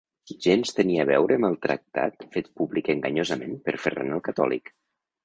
Gens tenia a veure amb el tractat fet públic enganyosament per Ferran el Catòlic.